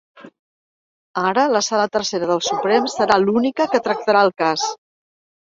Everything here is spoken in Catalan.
Ara la sala tercera del Suprem serà l’única que tractarà el cas.